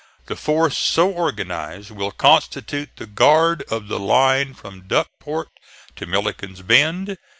The force so organized will constitute the guard of the line from Duckport to Milliken's Bend.